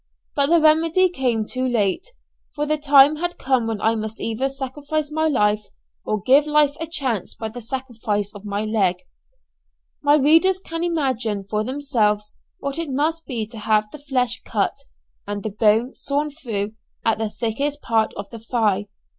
But the remedy came too late, for the time had come when I must either sacrifice my life, or give life a chance by the sacrifice of my leg. My readers can imagine for themselves what it must be to have the flesh cut, and the bone sawn through at the thickest part of the thigh.